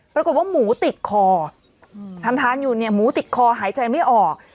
ปรากฏว่าหมูติดคอทานอยู่เนี่ยหมูติดคอหายใจไม่ออก